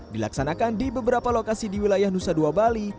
dilaksanakan di beberapa lokasi di wilayah nusa dua bali